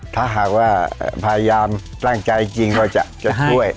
ถ้าหากว่าพยายามตั้งใจจริงว่าจะช่วย